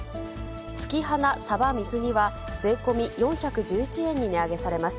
月花さば水煮は、税込み４１１円に値上げされます。